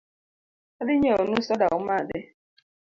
Adhi nyieo nu soda umadhi